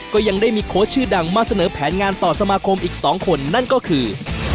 ก็ยังได้มีโค้ชชื่อดังมาเสนอแผนงานต่อสมาคมอีก๒คนนั่นก็คือ